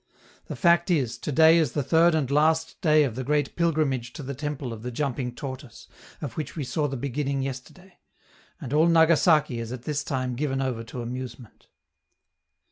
The fact is, to day is the third and last day of the great pilgrimage to the temple of the jumping Tortoise, of which we saw the beginning yesterday; and all Nagasaki is at this time given over to amusement.